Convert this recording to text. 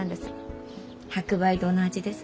白梅堂の味です。